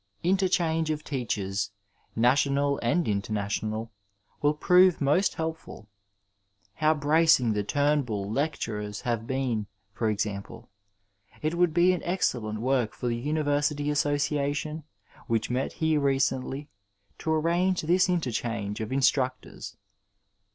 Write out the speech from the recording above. Interchange of teachers, national and inter national, will prove most helpfuL How bracing the Turn bull lecturers have been, for example. It would be an excellent work for the University Association which met here recently to arrange this interchange of instructors.